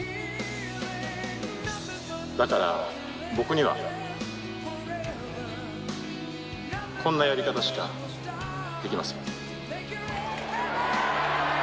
だから僕にはこんなやり方しかできません。